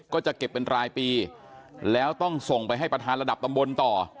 ก็จะเก็บเป็นรายปีแล้วต้องส่งไปให้ประธานระดับตำบลต่อ